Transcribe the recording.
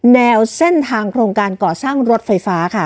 แนวเส้นทางโครงการก่อสร้างรถไฟฟ้าค่ะ